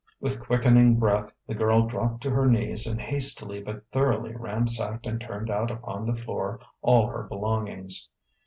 With quickening breath, the girl dropped to her knees and hastily but thoroughly ransacked and turned out upon the floor all her belongings.